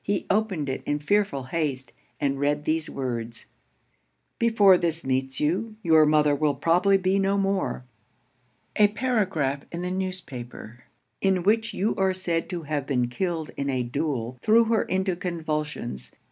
He opened it in fearful haste, and read these words 'Before this meets you, your mother will probably be no more. A paragraph in the newspaper, in which you are said to have been killed in a duel, threw her into convulsions.